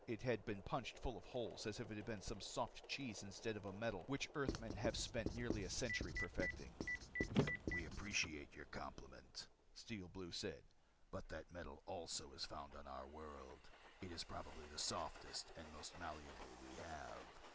It had been punched full of holes as if it had been some soft cheese instead of a metal which Earthmen had spent nearly a century perfecting. "We appreciate your compliment," Steel Blue said. "But that metal also is found on our world. It's probably the softest and most malleable we have.